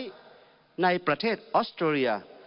ผมใช้ในประเทศออสเตอรียา